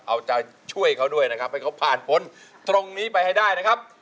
เอาใจช่วยเขาด้วยนะครับให้เขาผ่านพ้นตรงนี้ไปให้ได้นะครับ